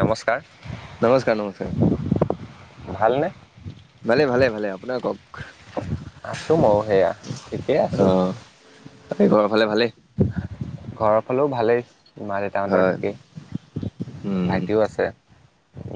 নমস্কাৰ, নমস্কাৰ নমস্কাৰ ভালনে? ভালে ভালে ভালে। আপোনাৰ কওক? আছোঁ ময় সেয়া ঠিকে আছোঁ। তাতে ঘৰৰ ফালে ভালেই। হ'লও ভালেই। মা দেউতাহঁতৰ হয় ঠিকেই, উম ভাইটিও আছে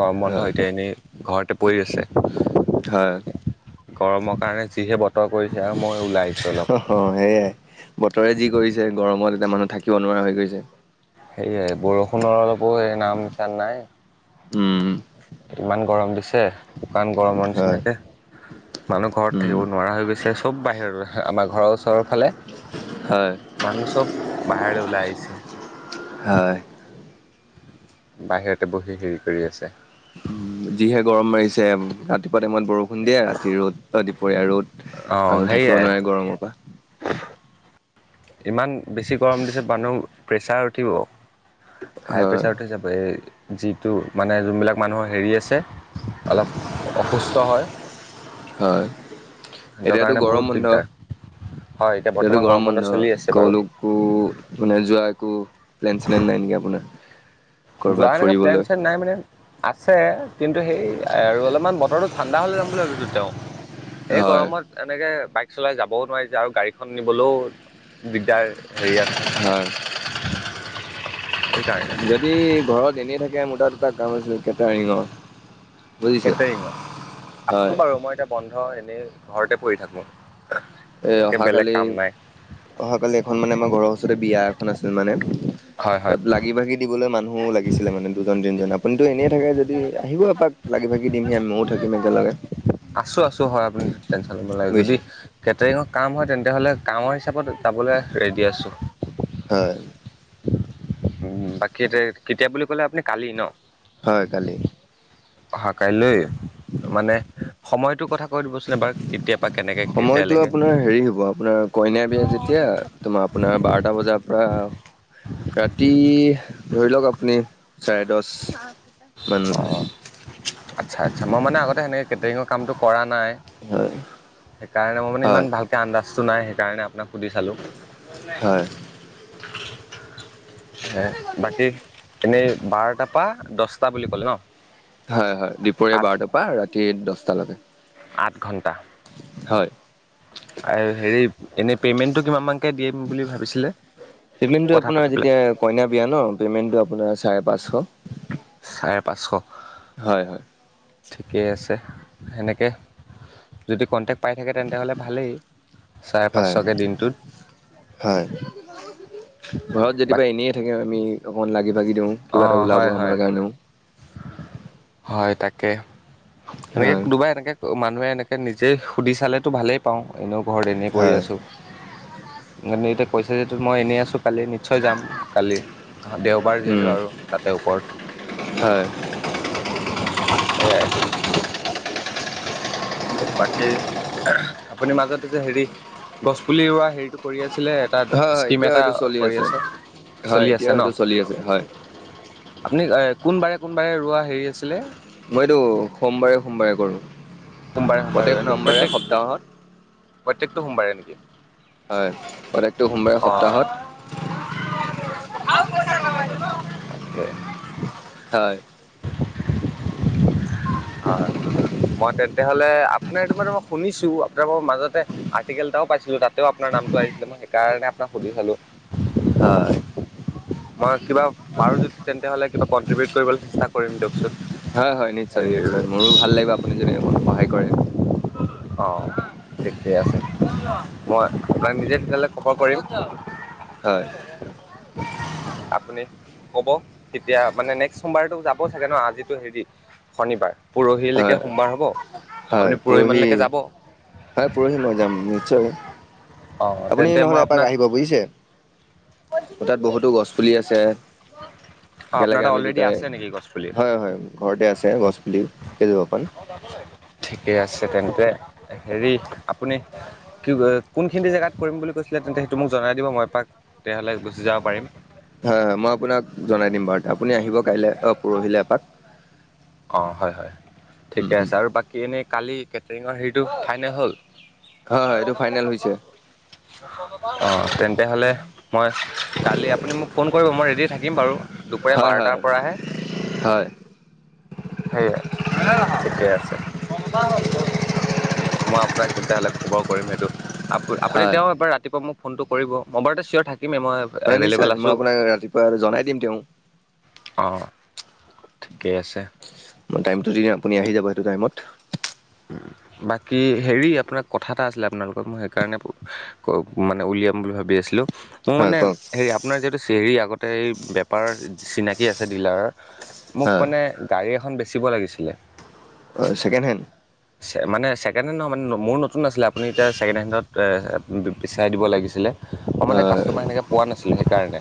গৰম বন্ধ হয় সতে এনেই ঘৰতে পৰি আছে। হয়। গৰমৰ কাৰণে যিহে বতৰ কৰিছে আৰু মই ওলাই আহিছোঁ অলপ। অ সেয়াই বতৰে যি কৰিছে গৰমত এতিয়া মানুহ থাকিব নোৱাৰা হৈ গৈছে। সেয়াই বৰষুণৰ অলপো নাম নিচান নাই। উম! ইমান গৰম দিছে। শুকান গৰমৰ হয় নিচিনাকে মানুহ ঘৰত উম থাকিব নোৱাৰা হৈ গৈছে। চব বাহিৰৰ হে আমাৰ ঘৰৰ ওচৰৰ ফালে। হয় মানুহ চব বাহিৰলে ওলাই আহিছে। হয় বাহিৰতে বহি হেৰি কৰি আছে। যিহে গৰম মাৰিছে ৰাতিপুৱা টাইমত বৰষুণ দিয়ে ৰাতি ৰ'দ বা দুপৰীয়া ৰ'দ। অঁহ মানুহ থাকিব সেইয়াই। নোৱাৰে গৰমৰ পৰা ইমান বেছি গৰম দিছে মানুহ প্ৰেছাৰ উঠিব। হাই হয় প্ৰেছাৰ উঠি যাব এই যিটো, মানে যোনবিলাক মানুহৰ হেৰি আছে অলপ অসুস্থ হয়। হয়, সিহঁতৰ এতিয়াতো কাৰণে বহুত গৰম বন্ধ। দিগদাৰ হয়। এতিয়াতো বৰ্তমান গৰম বন্ধ চলি আছে বাৰু কলো কো মানে যোৱা একো প্লেন চেলেন নাই নেকি আপোনাৰ? যোৱা কৰ'বাত এনেকা প্লেন ফুৰিবলৈ চেলেন নাই মানে আছে কিন্তু, সেই আৰু অলপমান বতৰটো ঠাণ্ডা হ'লে যাম বুলি ভাবিছোঁ তেওঁ। এই হয় গৰমত এনেকে। বাইক চলাই যাবও নোৱাৰি যে আৰু গাড়ীখন নিবলও দিগদাৰ হেৰিয়াত। শ্লুতশ্লুতশ্লুতশ্লুত। [unintelligible] সেইকাৰণে যদি ঘৰত এনেই থাকে মোৰ তাত দুটা কাম আছিল কেটাৰিঙ। কেটাৰিঙত। আছো বাৰু মই এতিয়া বন্ধ এনেই ঘৰতে পৰি থাকোঁ। এ একে বেলেগ অহাকালি কাম নাই অহা কালি এখন মানে আমাৰ ঘৰৰ ওচৰতে বিয়া এখন আছিল মানে। হয় হয়। তাত লাগি ভাগি দিবলৈ মানুহ লাগিছিলে মানে দুজন তিনিজন আপুনিতো এনেই থাকে যদি আহিব এপাক লাগি ভাগি দিমহি আমি। [unintelligible] মও থাকিম একেলগে। আছো আছো হয় আপুনি টেনশ্যন ল'ব লাগে যদি বুজিছে কেটাৰিঙৰ কাম হয়, তেন্তে হ'লে গাঁওৰ হিচাপত [unintelligible] যাবলে ৰেডি আছোঁ। হয় বাকী তে কেতিয়া বুলি ক'লে আপুনি কালি ন। হয় কালি। অহা কাইলৈ মানে সময়টো কথা কৈ দিবচোন এবাৰ কেতিয়া পা কেনেকে সময়টো কেতিয়ালেকে। আপোনাৰ হেৰি মই আপোনাৰ বাৰটা বজাৰ পৰা ৰাতি ধৰি লওক আপুনি চাৰে দশ মান। অঁ আচ্ছা আচ্ছা মই মানে আগতে সেনেকৈ কেটাৰিঙৰ কামটো কৰা নাই। হয় সেইকাৰণে মই মানে ইমান হয় ভালকে আন্দাজটো নাই সেইকাৰণে আ [unintelligible] পোনাক সুধি চালোঁ। হয়, [unintelligible] বাকী এনেই বাৰটাপা দশটা বুলি ক'লে ন। হয় হয়। দুপৰীয়া আঠ বাৰটাপা ৰাতি দশটালৈকে। [unintelligible] আঠ ঘণ্টা। হয়। আৰু হেৰি এনেই পেমেণ্টটো কিমান মান। পেমেন্টো কথা পাতি আপোনাৰ পেলাই যেতিয়া কইনা বিয়া ন পেমেন্টো আপোনাৰ চায়ে [unintelligible] পাঁচশ। চাৰে পাঁচশ। হয়। ঠিকেই আছে, সেনেকে যদি কণ্টেকট পায় থাকে তেন্ত হ'লে ভালেই, চাৰে হয়, পাঁচকৈ দিনটোত। হয়। ঘৰত যদি বাক এনেই থাকে আমি অকণমান লাগি ভাগি দিওঁ, কিবা অঁ এটা ওলাব হয় হয় আমাৰ কাৰণেও। হয় তাকে এনেকে হয়। কোনোবা এনেকে মানু- মানুহে এনেকে নিজে সুধি চালেতো ভালেই পাওঁ, এনেও ঘৰত এনেই পৰি হয়। আছো। মানে এতিয়া কৈছে যে মই এনেই আছোঁ কালি নিশ্চয় যাম। কালি দেওবাৰ যিহেতু উম, আৰু তাতে হয়, হয়, ওপৰত। সেয়াই। বাকী আপুনি মাজতে যে হেৰি গছ পুলি ৰুৱা হেৰিটো কৰি আছে আছিলে এটা হয় হয় স্কিম এতিয়াও এটা সেইটো চলি কৰি আছে, হয় চলি আছে এতিয়াও ন সেইটো চলি আছে হয়। [unintelligible] [unintelligible] [inaudible] আপুনি কোনবাৰে, কোনবাৰে ৰোৱা হেৰি আছিলে? মইতো সোমবাৰে, সোমবাৰে কৰো। সোমবাৰে সোমবাৰে ন, প্ৰত্যেক? সপ্তাহত প্ৰত্যেকটো সোমবাৰে নেকি? হয় প্ৰত্যেকটো সোমবাৰে অ সপ্তাহত। তাকে হয়। হয় [unintelligible] মই তেন্তে হ'লে আপোনাৰ এইটো মান মই শুনিছো, আপোনাৰ বাও মাজতে আৰ্টিকেল এটাও পাইছিলো তাত। [unintelligible] আপোনাৰ নামটো আহিছিলে, মই সেইকাৰণে আপোনাক সুধি চালো। [unintelligible] হয়। মই কিবা পাৰো যদি তেন্তে হ'লে কিবা কনট্ৰিবউট কৰিবলৈ চেষ্টা কৰিম দিয়কচোন। হয় হয় নিশ্চয় হেৰি নিশ্চয় মোৰো ভাল লাগিব আপুনি যদি অকন সহায় কৰে। [unintelligible] অঁ ঠিকে আছে, মই আপোনাক নিজে তেতিয়াহ'লে খবৰ পাৰিম? হয় আপুনি ক'ব। তেতিয়া মানে নেক্সট সোমবাৰেতো যাব চাগে ন, আজিতো হেৰি শনিবাৰ। পোৰহিলৈকে হয় সোমবাৰ হ'ব, আপুনি হয় পৰহি, মানলৈকে যাব হয় পৰহি মই যাম নিশ্চয় অঁ আপুনি তেন্তে নহ'লে মই এপাক আপোনাক আহিব বুজিছে, তাত বহুতো গছ পুলি আছে। কোৱা অঁ আপোনাৰ একেলগে তাত আমি অলৰেডি দুটাই, আছে নেকি গছপুলি হয় হয়, ঘৰতে আছে গছ পুলি কেইজোপা মান। ঠিকে আছে তেন্তে, হেৰি আপুনি কি কোনখিনি জেগাত কৰিম বুলি কৈছিলে তেন্তে সেইটো মোক জনাই দিব, মই এপাক তেতিয়াহ'লে গুচি যাব পাৰিম। হয় হয় মই আপোনাক জনাই দিম বাৰু, আপুনি আহিব কাইলৈ অহ পৰহিলৈ এপাক। অহ হয় হয় ঠিকে আছে, আৰু বাকী এনেই কালি নিং হেৰিটো ফাইনেল হ'ল। [unintelligible] এশ হয় হয় এইটো ফাইনেল হৈছে টকা অহ তেন্তে হ'লে মই কালি আপুনি মোক ফোন কৰিব মই দি থাকিম বাৰু, দুপৰীয়া হয় হয় বাৰটাৰ পৰা হে? হয় সেয়া ঠিকেই আছে। মই আপোনাক তেতিয়াহ'লে খবৰ কৰিম সেইটো, আপু আপুনি হয় তেওঁ এবাৰ ৰাতিপুৱা মোক ফোনটো কৰিব, মই বাৰুটো চিয়ৰ থাকিমেই মই হয় নিশ্চয় এভেইলেবল মই আছো। আপোনাক ৰাতিপুৱা জনাই দিম তেওঁ অ'হ মই টাইম টো দি দিম আপুনি আহি যাব সেইটো টাইমত। বাকী হেৰি, আপোনাৰ কথা এটা আছিলে আপোনাৰ লগত মই সেইকাৰণে মানে উলিয়াম বু বুলি ভাবি আছিলোঁ? মোৰ হয় মানে, কওক হেৰি আপোনাৰ যিহেতু চেৰি এই বেপাৰৰ চিনাকি আছে ডিলাৰত। মোক হয় মানে গাড়ী এখন বেচিব লাগিছিলে। হয় ছেকেণ্ড হেণ্ড মানে ছেকেণ্ড হেণ্ড নহয় মানে মোৰ নতুন আছিলে, আপুনি এতিয়া ছেকেণ্ড হেণ্ডত বিচাৰাই দিব লাগিছিলে। মই মানে হয় কাষ্টমাৰ সেনেকৈ পোৱা নাছিলোঁ সেইকাৰণে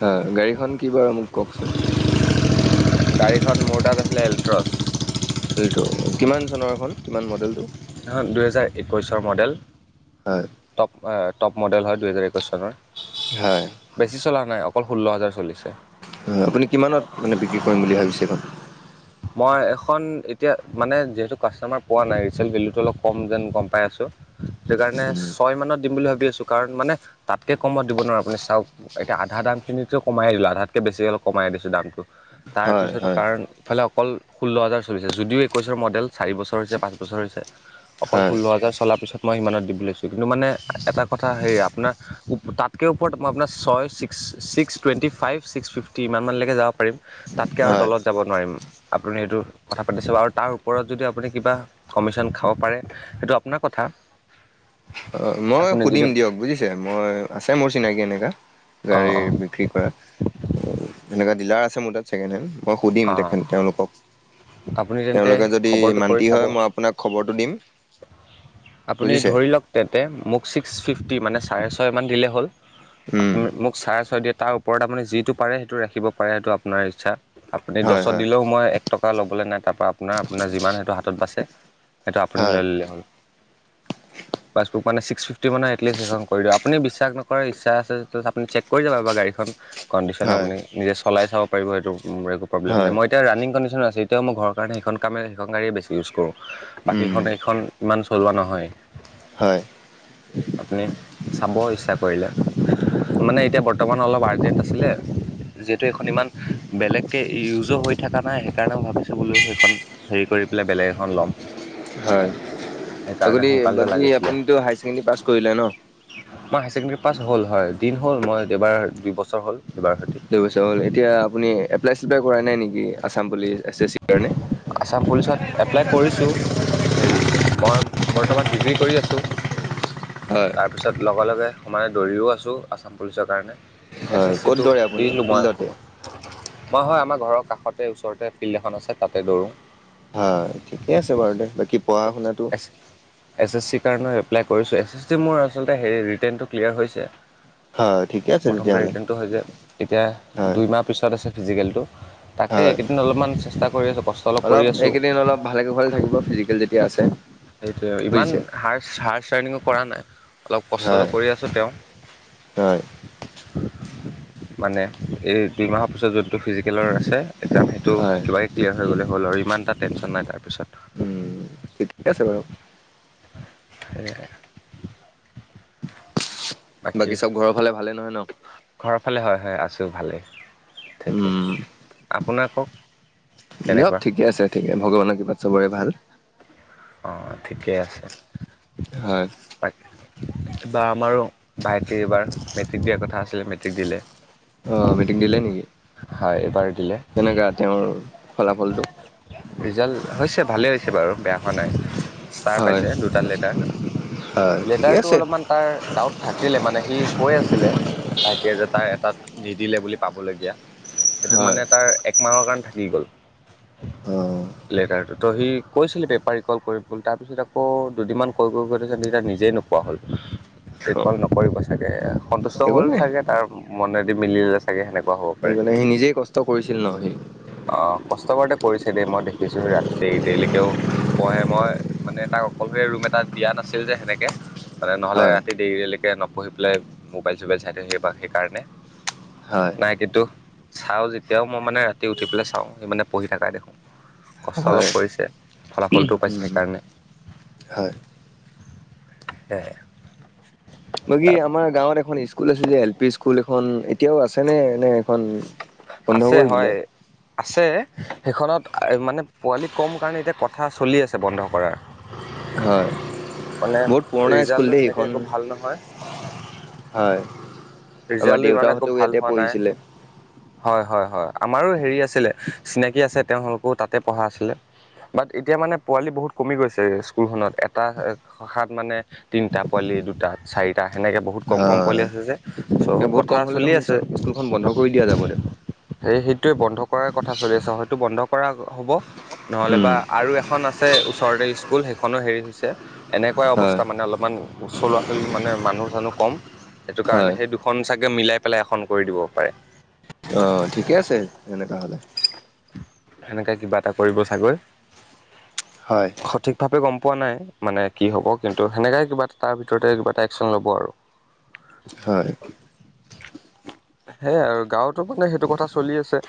হয় গাড়ীখন কি বাৰু মোক কওকচোন? [unintelligible] গাড়ীখন মোৰ দাগ আছিলে এল্ট্ৰছ হেৰিটো কিমান চনৰৰাখন কিমান মডেলটো খন দুহেজাৰ একছৰ মডেল হয় টপ টপ মডেল হয় দুহেজাৰ একৈছ চনৰ হয় বেছি চলা নাই অকল ষোল্ল হাজাৰ চল্লিছ হয় আপুনি কিমানত মানে বিক্ৰী কৰিম বুলি ভাবিছে এইখন মই এখন এতিয়া মান যিহেতু কাষ্টমাৰ পোৱা নাই ৰিয়েল ভেল অলপ যে কয় পাই আছো- সেই কাৰণে ছয় মানত দিম বুলি ভাবি আছো কাৰণ মানে তাতকে কমত দিব নো আপুনি চাওক এতিয়া আধা দামখিনিতো কমাই দিলো আধাতকে বেছি অলপ কমাই দিছোঁ দামটো তাৰ হয় পিছতো হয় কাৰণ- ইফালে অকল ষোল্ল হাজাৰ চলিছে যদিও একৈছৰ মডেল চাৰি বছৰ হৈছে পাঁচ বছৰ হৈছে। অকল হয় ষোল্ল হাজাৰ চলাৰ পিছত মই সিমানত দিম লৈছো কিন্তু মানে এটা কথা হেৰি আপোনাৰ তাত ত ওপৰত মই আপোনাৰ ছয় six six twenty five six fifty ইমানলৈক যাব পাৰিম তাতকৈ আৰু [unintelligible] হয় তলত যাব নোৱাৰিম। আপুনি সেইটো কথা পাতি চাব আৰু তাৰ ওপৰত যদি আপুনি কিবা কমিশ্যন খাব পাৰে সেইটো আপোনাক কথা [inaudible] [unintelligible] মই আপুনি যদি সুধিম দিয়ক বুজিছে মই আছে মোৰ চিনাকি এনেকা- অঁ অঁ গাড়ীৰ বিক্ৰী কৰা এনেকুৱা ডিলাৰ আছে মোৰ তাত ছেকেণ্ড হেণ্ড মই সুধিম অঁ তেখেত তেওঁলোকক আপুনি তেন্তে তেওঁলোকে যদি খবৰটো কৰি মান্তি চাব হয় মই আপোনাক খবৰটো দিম। আপুনি বুজিছে ধৰি লওক তেন্তে মোক ছিক্স ফিফটি মানে চাৰে ছয়মান দিলেই হ'ল উম আপুনি মোক চাৰে ছয় দিয়ে তাৰ ওপৰত আপুনি যিটো পাৰে সেইটো ৰাখিব পাৰে সেইটো আপোনাৰ ইচ্ছা আপুনি হয় দছত হয় দিলেও মই- এক টকা ল'বলৈ নাই তাৰপৰা আপোনাৰ আপোনাৰ যিমান সেইটো হাতত বাচছে সেইটো আপুনি হয় লৈ ল'লেই হ'ল। [inaudible] পাচবুক মানে সিকচ ফিফ্টি মানে এটলিষ্ট কোনেও বিশ্বাস নকৰে ইচচা আছে আপু চেক কৰি যাব বাাৰ গাড়ীখন কণ্ডিশচ্যন হয় আপুনি নিজে চলাই চাব পাৰিব সেইটো মোৰ একো হয় প্ৰব্লেমাই এতিয়া ৰাণিং কণ্ডিচন ত আছো, এতিয়াও মোৰ ঘৰৰ কাৰণে সেইখন গাড়ীয়ে বেছি ইউজ কৰোঁ বাকী উম এইখন এইখন ইমান চলোৱা নহয়। হয়। আপুনি চাব ইচ্ছা কৰিলে। মানে এতিয়া বৰ্তমান অলপ আৰ্জেন্ট আছিলে যিহেতু এইখন ইমান বেলেগকৈ ইউজো হৈ থকা নাই সেইকাৰণেই ভাবিছোঁ বোলো সেইখন হেৰি কৰি পেলাই বেলেগ এখন ল'ম। হয়। সেইকাৰণে আগি সোনকালতে বাকী লাগিছিলে আপুনিতো হাই ছেকেণ্ডেৰী পাছ কৰিলে ন। মই হাই ছেকেণ্ডেৰী পাছ হ'ল হয় দিন হ'ল মই দেবাৰ দুই বছৰ হ'ল এইবাৰ সৈতে ল কৈছে হ'ল এতিয়া আপুনি এপলাই চেপলাই কৰাই নাই নেকি? Assam police, S S C ৰ কাৰণে আছাম পুলিচত এপ্লাই কৰিছোঁ হেৰি মই বৰ্তমান ডিগ্ৰী কৰি আছোঁ। হয়। তাৰপিছত লগে লগে সমানে দৌৰিও আছোঁ আছাম পুলিচৰ কাৰণে এছ হয় এছ ক'ত চিটো দৌৰে দি আপুনি দছিলোঁ মই ফিল্ডতে মই হয় আমাৰ ঘৰৰ কাষতে ওচৰতে ফিল্ড এখন আছে তাতে দৌৰো হয় ঠিকে আছে বাৰু দে বাকী পঢ়া শুনাটো। এছ এছ চিৰ কাৰণে এপ্ল কৰিছোঁ এছ এছ চি মোৰ আচলতে সেইৰি ৰিতেন টো ক্লিয়াৰ হৈছে। হয় ঠিকে আছে প্ৰথমতে তেতিয়াহ'লে ৰিতেন টো হয় যে এতিয়া হয় দুই মাহ পিছত তাত আছে ফিজিকেল টো হয় অলপ এইকেইদিন অলপ ভালেকে ভালে থাকিব ফিজিকেল যেতিয়া আছে। সেইটোয়ে ইমান বুজিছে হাৰ হাৰ চাৰ্ণিঙো কৰা নাই অলপ কষ্টতটো হয় কৰি আছো তেওঁ হয়। মানে এই দুই মাহৰ পিছত যোনটো ফিজিকেলৰ আছে একজাম সেইটো হয় কিবাই ক্লিয়াৰ হৈ গ'লে হ'ল আৰু আৰু ইমান এটা টেনশ্যন নাই তাৰপিছত উম ঠিকে আছে বাৰু স [unintelligible] [inaudible] বাকী চব ঘৰৰ ফালে ভালে নহয় ন ঘৰৰ ফালে হয় হয় আছোঁ ভালেই ঠিকে উম আপোনাক কওক [unintelligible] নব কেনেকুৱা ঠিকে আছে ঠিকে ভগৱানৰ কিবা চবৰে ভাল। অ ঠিকেই আছে। হয়। বাৰ আমাৰো ভাইটি এইবাৰ মেট্ৰিক দিয়াৰ কথা আছিলে মেট্ৰিক দিলে অ মেট্ৰিক দিলে নেকি? হয় এইবাৰ দিলে তেনেককা তেওঁৰ ফলাফলটো ৰিজাল্ট হৈছে ভালেই হৈছে বাৰু বেয়া হোৱা নাই ষ্টাৰ হয়। পাইছে দুটা লেটাৰ হয় ঠিকে লেটাৰতটো আছে। অলপমান তাৰ ডাউট থাকিলে মানে সি কৈ আছিলে ভাইটি এজ তাৰ এটাত দি দিলে বুলি পাবলগীয়া সেইটোত মানে হয়। ত ৰ কাৰ থাকি গল অ। লেটাৰ ত সি কৈছিল পাৰিকল কৰিল তাৰপিছত আকৌ দুদিনমান কৈ গৈ গৈ থ তেয়া নিজেই নোপোৱা হ'ল এইখন নকৰিব চাগে সন্তুষ্ট একো হ'ল নাই চাগে তাৰ মনেদি মিলিলে চাগে সেনেকুৱা হ'ব পাৰে সেইকাৰণে সি নিজেই কষ্ট কৰিছিল ন সি কষ্টকৰতে কৰিছে দেই মই দেখিছোঁ ৰাতি দেৰি লৈকে মে মই মানে তাক অকলৰে ৰুম এটা দিয়া নাছিল যে সেনেকে মানে নহ'লে হয় ৰাতি দেৰিলৈকে নপঢ়ি পেলাই মোবাইল চোবাইল চাই থৈ সেই সেইকাৰণে হয়। নাই কিতো চাওঁ যেতিয়াও মই মানে ৰাতি উঠি পেলাই চাওঁ সি মানে পঢ়ি থাকাই দেখো কষ্ট অলপ হয়। কৰিছে [unintelligible] ফলাফলটো পাইছে উম সেইকাৰণে হয়। এ [unintelligible] বাকী আমাৰ গাঁৱত এখন স্কুল আছিল যে এল পি স্কুল এখন এতিয়াও আছেনে নে এখন [unintelligible] বন্ধ আছে কৰি দিলে হয় আছে সেইখনত মানে পোৱালি কম কাৰণে এতিয়া কথা চলি আছে বন্ধ কৰাৰ [unintelligible] হয় মানে বহুত পুৰণা স্কুল ৰিজাল্টটো দেই সেনেকে সেইখন একো ভাল নহয় হয় আমাৰ ৰিজাল্টটো ইমান একো দেউতাহঁতেও ভাল ইয়াতে হোৱা নাই পঢ়িছিলে হয় হয় হয় আমাৰো হেৰি আছিলে চিনাকি আছে তেওঁলোকও তাতে পঢ়া আছিলে বাট এতিয়া মানে পোৱালি বহুত কমি গৈছে স্কুলখনত এটা শাখাত মানে তিনিটা পোৱালি দুটা চাৰিটা সেনেকে বহুত কম কম পোৱালি হয়। আছে যে চ' বহুত কথা কম হ'লে চলি দেখোন আছে স্কুলখন বন্ধ কৰি দিয়া যাব দেখোন। সেই টোৱে বন্ধ কৰাৰ কথা চলি আছ হয়তো বন্ধ কৰা হ'ব নহ'লে বা উম। আৰু এখন আছে ওচৰতে স্কুল সেইখনো হেৰি হৈছে এনেকুৱাই হয় অৱস্থা মানে অলপমান চলোৱা ছালী মানে মানুহ জানুহ কম সেইটো কাৰণে হয়। সেই এখন চাগে মিলাই পেলাই এখন কৰি দিব পাৰে অ ঠিকে আছে সনেকা হলে সেনেকা কিবা এটা কৰিব চাগৈ হয় সঠিক ভাৱে গম প পোৱা নাই মানে কি হ'ব কিন্তু সেনেকাই কিবা এ তাৰ ভিতৰতে কিবা এটা একচন ল'ব আৰু হয় [inaudible] সেয়াই আৰু গাঁৱতো মানে সেইটো কথা চলি আছে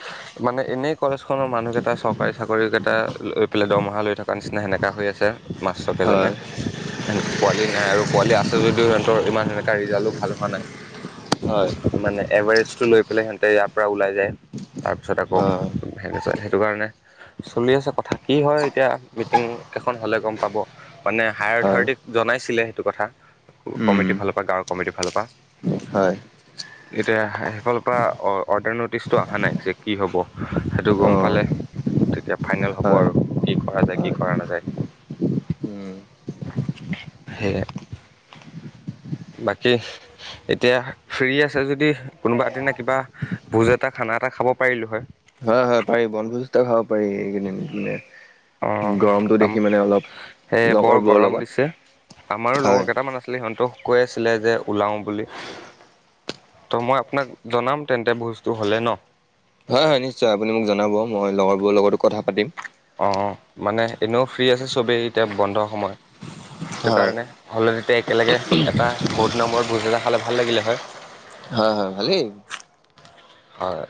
মানে এনেই কলেজ খনৰ মানুহকেইটাই চৰকাৰী চাকৰি [unintelligible] চাকৰি কেইটা লৈ পেলাই দৰমহা লৈ থকাৰ নিচিনা সেনেককাা হৈ আছে মাছ চক এজনে হয় [unintelligible] সক পোৱালি নাই আৰু পোৱালি আছে যদিও সিহঁতৰ ইমান সেনেকা ৰিজাল্টো ভাল হোৱা নাই [unintelligible] হয় মানে এভাৰেষ্টটো লৈ পেলাই সিহঁতে ইয়াৰ পৰা ওলাই যায় তাৰ পিছত আকৌ হয় [unintelligible] সেই সেইটো কাৰণে চলি আছে কথা কি হয় এতিয়া মিটিং এখন হলে গম পাব মানে হায়াৰ হয় অথৰিটিক [unintelligible] জনাইছিলে সেইটো কথা উম কমিটিৰ ফালৰ পৰা গাঁৱৰ কমিটিৰ ফালৰ পৰা হয়। এতিয়া সেইফালৰ পৰা অৰ্ডাৰ নটিচটো অহা নাই যে কি হ'ব সেইটো অ গম পালে। তেতিয়া ফাইনেল হ'ব হয় আৰু কি কৰা যায় কি হয় কৰা নাযায়। উম সেই বাকী এতিয়া ফ্ৰী আছে যদি কোনোবা এ দিনা কিবা ভোজ এটা খানা এটা খাব পাৰিলোঁ হয়। হয় পাৰি বনভোজ খাব পাৰি এইকেইদিন মানে গৰমটো অঁ দেখি মানে অলপ সেয়ে বৰ লগৰবোৰৰ গৰম দিছে। লগত। আমাৰো লগৰ হয় কেইটামান আছিলে সিহঁতও কৈ আছিলে যে ওলাও বুলি- [unintelligible] ত মই আপোনাক জনাম তেন্তে বুজটো হলে ন হয় হয় নিশ্চয় ।আপুনি মোক জনাব মই লগৰবোৰৰ লগতো কথা পাতিম। অঁ মানে এনেও ফ্ৰী আছে চবেই এতিয়া বন্ধ সময়। সেইটো হয় কাৰণে হলধিতে একেলগে এটা বহত নম্বৰত ভোজ এটা খালে ভাল লাগিলে হয়। [unintelligible] হা হা ভালেই হয়